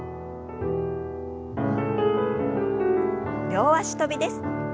両脚跳びです。